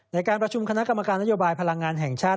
ในการประชุมคณะกรรมการนโยบายพลังงานแห่งชาติ